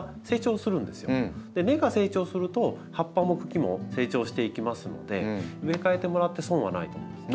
根が成長すると葉っぱも茎も成長していきますので植え替えてもらって損はないと思うんですね。